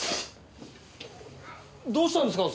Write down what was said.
どうしたんですか？